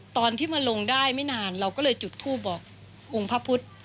ตอนที่มาลงได้ไม่นานเราก็เลยจุดทูปบอกองค์พระพุทธ